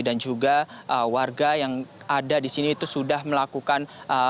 dan juga warga yang ada di sini itu sudah melakukan